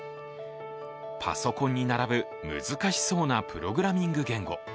パソコンに並ぶ難しそうなプログラミング言語。